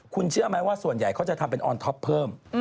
คุณเชื่อไหมว่าส่วนใหญ่เขาจะทำเป็นออนท็อปเพิ่ม